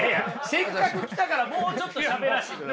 せっかく来たからもうちょっとしゃべらしてください。